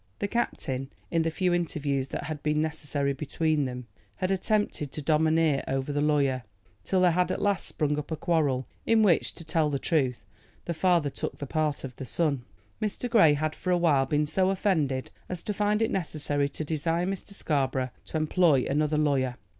The captain, in the few interviews that had been necessary between them, had attempted to domineer over the lawyer, till there had at last sprung up a quarrel, in which, to tell the truth, the father took the part of the son. Mr. Grey had for a while been so offended as to find it necessary to desire Mr. Scarborough to employ another lawyer.